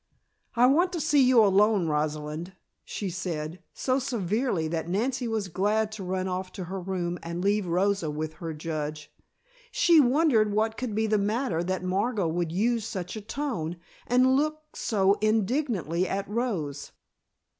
"I want to see you alone, Rosalind," she said, so severely that Nancy was glad to run off to her room and leave Rosa with her judge. She wondered what could be the matter that Margot would use such a tone, and look so indignantly at Rose.